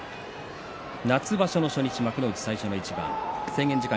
夏場所の初日、幕内最初の一番。